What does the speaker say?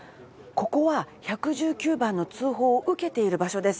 ここは１１９番の通報を受けている場所です。